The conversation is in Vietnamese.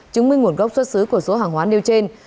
chứng minh nguồn gốc xuất xứ của số hàng hóa nêu trên